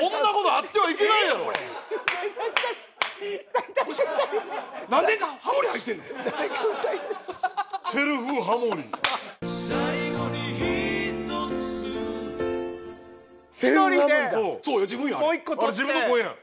あれ自分の声やん。